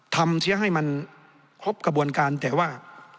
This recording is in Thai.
เสียให้มันครบกระบวนการแต่ว่า